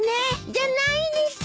じゃないです。